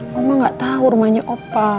mama gak tau rumahnya opa